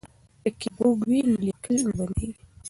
که کیبورډ وي نو لیکل نه بندیږي.